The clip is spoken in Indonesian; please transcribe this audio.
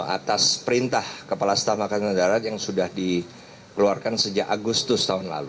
atas perintah kepala staf angkatan darat yang sudah dikeluarkan sejak agustus tahun lalu